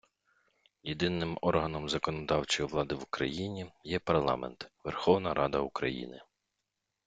Єдиним органом законодавчої влади в Україні є парламент - Верховна Рада України.